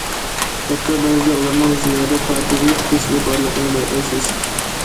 ھەتتا بەزىدە ئۇلارنىڭ زىيادە پاكىزلىق كېسىلى بارلىقىنى بايقايسىز.